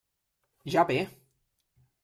Ja ve!